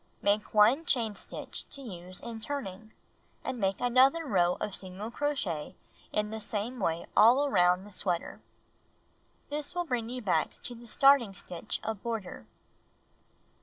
Make 1 diain stitch to use in turning, and make another row of single crochet in the same way all around sweater. This will bring you back to the starting stitch of border.